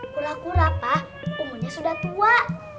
kura kura pa umurnya sudah tua